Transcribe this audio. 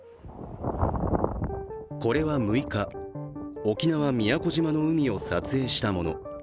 これは６日、沖縄・宮古島の海を撮影したもの。